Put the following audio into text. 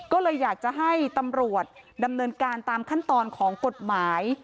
ก็เลยอยากจะให้ตำรวจดำเนินการตามขั้นตอนของกฎหมาย